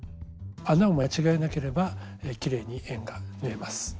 穴を間違えなければきれいに円が縫えます。